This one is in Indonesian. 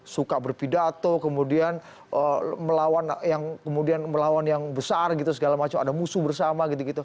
suka berpidato kemudian melawan yang besar gitu segala macam ada musuh bersama gitu gitu